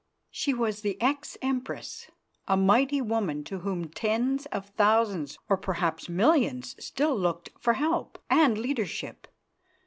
She was the ex Empress, a mighty woman to whom tens of thousands or perhaps millions still looked for help and leadership.